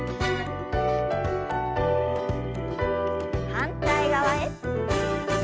反対側へ。